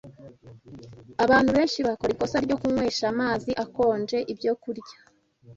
Abantu benshi bakora ikosa ryo kunywesha amazi akonje ibyokurya